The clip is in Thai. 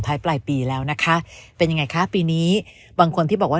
ปลายปีแล้วนะคะเป็นยังไงคะปีนี้บางคนที่บอกว่า